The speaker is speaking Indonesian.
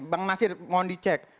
bang nasir mohon dicek